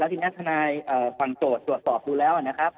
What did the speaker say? ทีนี้ทนายฝั่งโจทย์ตรวจสอบดูแล้วนะครับ